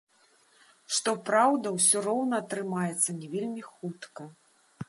Што праўда, усё роўна атрымаецца не вельмі хутка.